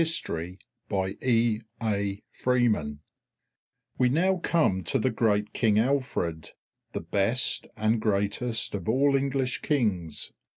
CHAPTER X KING ALFRED We now come to the great King Alfred, the best and greatest of all English Kings.